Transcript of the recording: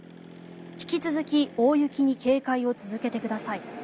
引き続き大雪に警戒を続けてください。